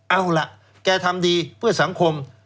เอาล่ะแกทำดีเพื่อสังคม